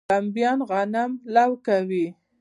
کمباین غنم لو کوي.